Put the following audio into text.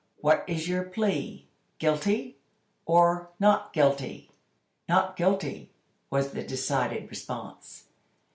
What is your plea. Guilty, or not guilty!" "Not guilty!" was the decided response.